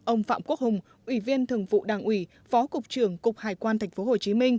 ông phạm quốc hùng ủy viên thường vụ đảng ủy phó cục trưởng cục hải quan tp hcm